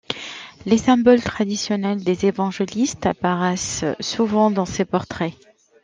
Les symboles traditionnels des évangélistes apparaissent souvent dans ces portraits.